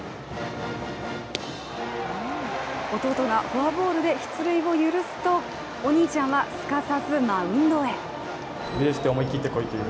弟がフォアボールで出塁を許すとお兄ちゃんはすかさずマウンドへ。